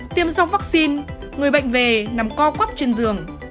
tiêm xong vắc xin người bệnh về nằm co quắp trên giường